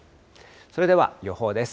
それでは予報です。